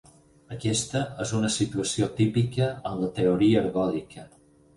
Aquesta és una situació típica en la teoria ergòdica.